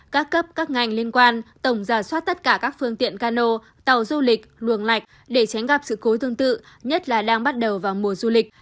các cấp các ngành liên quan tổng giả soát tất cả các phương tiện cano tàu du lịch luồng lạch để tránh gặp sự cố tương tự nhất là đang bắt đầu vào mùa du lịch